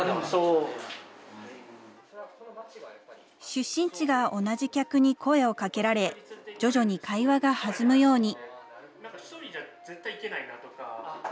出身地が同じ客に声をかけられ、徐々に会話が弾むように。